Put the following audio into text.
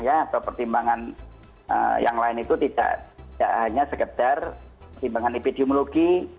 atau pertimbangan yang lain itu tidak hanya sekedar pertimbangan epidemiologi